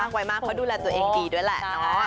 เขาดูแลตัวเองดีด้วยแหละ